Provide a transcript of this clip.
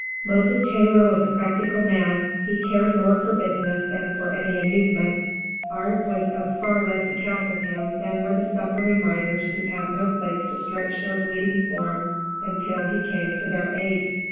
Moses Taylor was a practical man, he cared more for business than for any amusement. Art was of far less account with him than were the suffering miners who had no place to stretch their bleeding forms until he came to their aid.